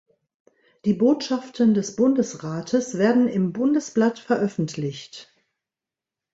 Die Botschaften des Bundesrates werden im Bundesblatt veröffentlicht.